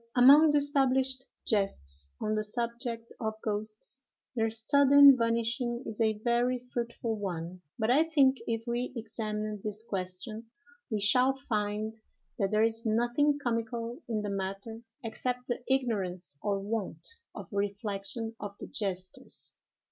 Among the established jests on the subject of ghosts, their sudden vanishing is a very fruitful one; but, I think, if we examine this question, we shall find that there is nothing comical in the matter except the ignorance or want of reflection of the jesters.